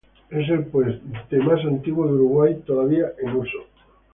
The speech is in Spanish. Es el puente más antiguo de Uruguay todavía en uso.